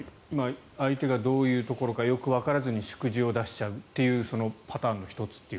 相手がどういうところかよくわからずに祝辞を出しちゃうそのパターンの１つだと。